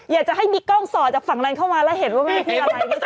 อย่าจะให้มีกล้องส่อจากฝั่งนั้นเข้ามาและเห็นว่าไง